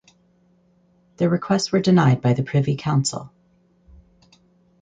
Their requests were denied by the Privy Council.